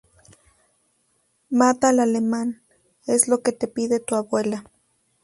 Mata al alemán, es lo que te pide tu abuela.